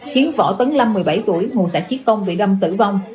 khiến võ tấn lâm một mươi bảy tuổi nguồn xã chiết công bị đâm tử vong